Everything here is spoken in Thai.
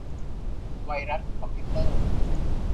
ไวรัสคอมพิวเตอร์